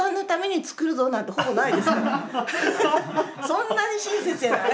そんなに親切じゃない。